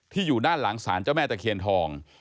อยู่ด้านหลังสารเจ้าแม่ตะเคียนทอง